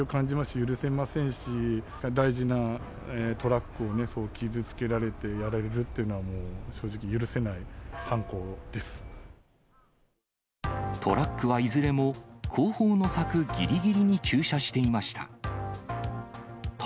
許せませんし、大事なトラックを傷つけられてやられるというのは、もう正直、トラックはいずれも、後方の柵ぎりぎりに駐車していました。